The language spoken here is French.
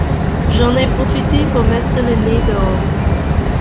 J’en ai profité pour mettre le nez dehors.